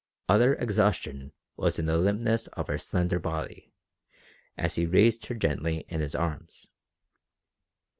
Utter exhaustion was in the limpness of her slender body as he raised her gently in his arms.